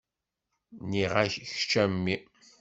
Nniɣ-ak kečč a mmi.